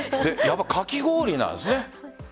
かき氷なんですね。